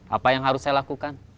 apa yang harus saya lakukan